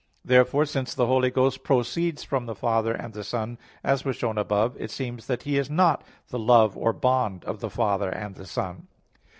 Therefore, since the Holy Ghost proceeds from the Father and the Son, as was shown above (Q. 36, A. 2), it seems that He is not the Love or bond of the Father and the Son.